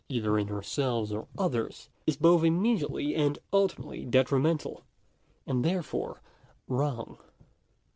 either in ourselves or others, is both immediately and ultimately detrimental, and therefore wrong.